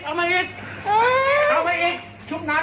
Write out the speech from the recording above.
เอ้ยทำแบบนั้นมั่นไงเอง